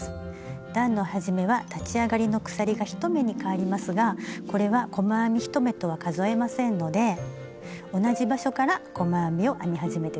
段の始めは立ち上がりの鎖が１目にかわりますがこれは細編み１目とは数えませんので同じ場所から細編みを編み始めて下さいね。